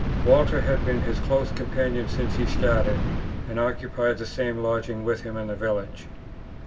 Walter had been his close companion since he started, and occupied the same lodging with him in the village.